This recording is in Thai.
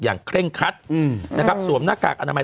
อย่างเคร่งคัดนะครับสวมหน้ากากอาณาไมค์